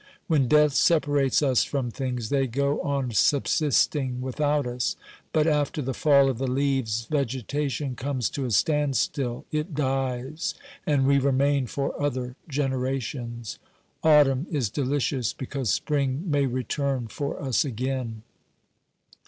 When death separates us from things, they go on subsisting without us. But after the fall of the leaves vegetation comes to a stand still ; it dies, and we remain for other generations. Autumn is delicious, because spring may return for us again.